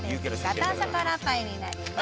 ガトーショコラパイになります